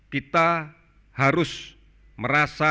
kita harus merasa aman apabila berada di rumah